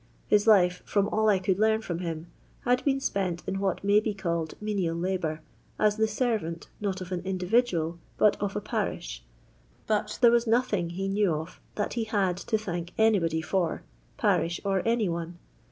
His life, from all I could learn from him, had been spent in what may be called menial labour, as the servant, not of an individual, but of a parish ; but there was nothing, he knew of, that he had to thank anybody for — parish or any one.